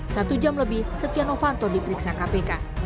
satu jam lebih setia novanto diperiksa kpk